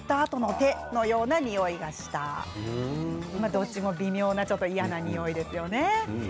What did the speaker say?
どっちも微妙な嫌なにおいですよね。